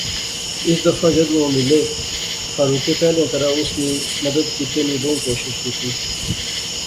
اس دفعہ جدوں او ملے فاروقیں پہلیاں طرح اس نی مدد کیتے نی بہوں کوشش کیتی